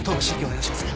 お願いします。